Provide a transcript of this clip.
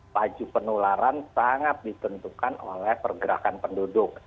paju penularan sangat ditentukan oleh pergerakan penduduk